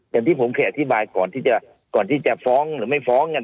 อย่างที่ผมเคยอธิบายก่อนที่จะฟ้องหรือไม่ฟ้อง